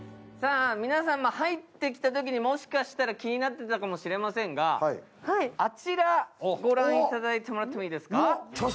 皆様、入ってきたときにもしかしたら気になっていたかもしれませんが、あちら御覧いただいてもらっていいですか。